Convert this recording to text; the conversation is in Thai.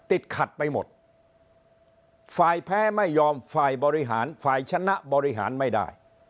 ติดขัดไปหมดฝ่ายแพ้ไม่ยอมฝ่ายบริหารฝ่ายชนะบริหารไม่ได้